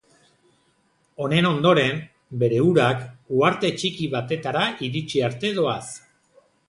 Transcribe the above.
Honen ondoren, bere urak, uharte txiki batetara iritsi arte doaz.